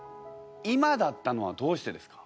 今だったのはどうしてですか？